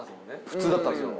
普通だったんすよ。